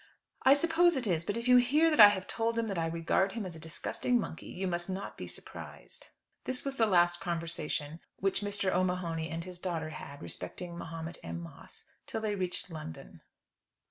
"I suppose it is. But if you hear that I have told him that I regard him as a disgusting monkey, you must not be surprised." This was the last conversation which Mr. O'Mahony and his daughter had respecting Mahomet M. Moss, till they reached London.